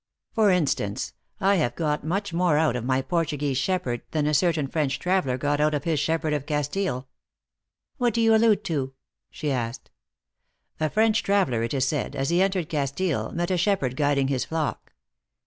For instance, I have got much more out of my Portuguese shepherd than a certain French traveler got out of his shepherd of Castile." " What do yon allude to ?" she asked. " A French traveler, it is said, as he entered Cas tile, met a shepherd guiding his flock.